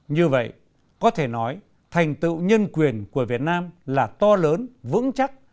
như vậy có thể nói thành tựu nhân quyền của việt nam là to lớn vững chắc